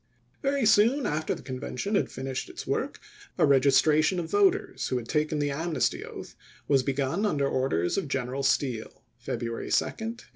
^ Very soon after the Convention had finished its work, a registration of voters who had taken the amnesty oath was begun under orders of G eneral Steele (February 2, 1864).